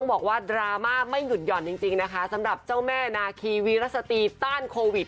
บอกว่าดราม่าไม่หยุดหย่อนจริงนะคะสำหรับเจ้าแม่นาคีวีรสตีต้านโควิด